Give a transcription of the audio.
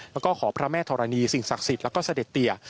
แล้วก็ขอพระแม่ธรณีสิ่งศักดิ์สิทธิ์แล้วก็เสด็จเตีย